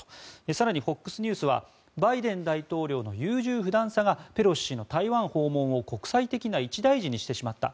更にＦＯＸニュースはバイデン大統領の優柔不断さがペロシ氏の台湾訪問を国際的な一大事にしてしまった。